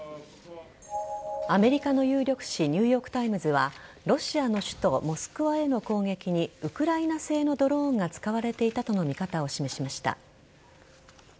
アメリカの有力紙ニューヨーク・タイムズはロシアの首都モスクワへの攻撃にウクライナ製のドローンが使われていたとの見方を示しました。